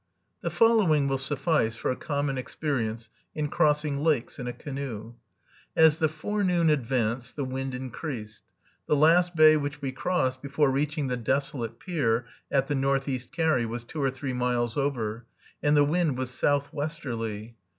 The following will suffice for a common experience in crossing lakes in a canoe. As the forenoon advanced, the wind increased. The last bay which we crossed before reaching the desolate pier at the Northeast Carry was two or three miles over, and the wind was southwesterly.